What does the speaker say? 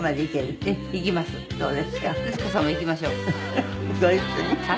徹子さんもいきましょう。